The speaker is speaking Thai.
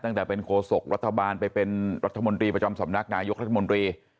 ตั้งแต่เป็นโคศกรัฐบาลไปเป็นรัฐมนตรีประจำสำนักนายกรัฐมนตรี